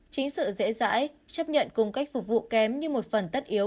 chính sự dễ dãi chấp nhận cùng cách phục vụ kém như một phần tất yếu